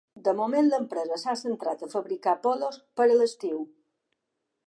De moment, l’empresa s’ha centrat a fabricar polos per a l’estiu.